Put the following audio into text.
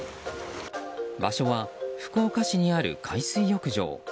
場所は、福岡市にある海水浴場。